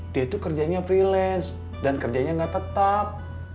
dia itu kerjanya freelance dan kerjanya nggak tetap